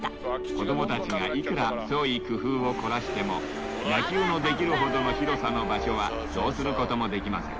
子どもたちがいくら創意工夫を凝らしても、野球のできるほどの広さの場所はどうすることもできません。